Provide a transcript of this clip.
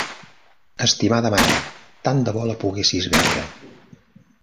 Estimada mare, tant de bo la poguessis veure!